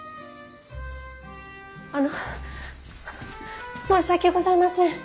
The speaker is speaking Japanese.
あの申し訳ございません！